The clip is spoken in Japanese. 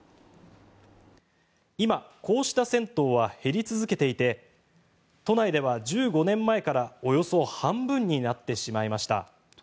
今、こうした銭湯は減り続けていて都内では１５年前からおよそ半分になってしまいました。